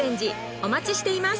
お待ちしています